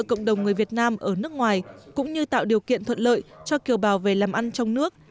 cộng đồng người việt nam ở nước ngoài cũng như tạo điều kiện thuận lợi cho kiều bào về làm ăn trong nước